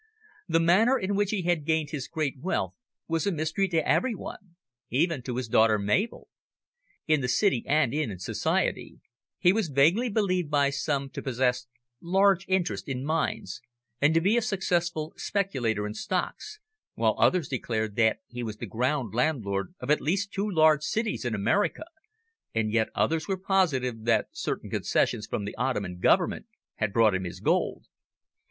The manner in which he had gained his great wealth was a mystery to every one, even to his daughter Mabel. In the City and in Society he was vaguely believed by some to possess large interests in mines, and to be a successful speculator in stocks, while others declared that he was the ground landlord of at least two large cities in America, and yet others were positive that certain concessions from the Ottoman Government had brought him his gold.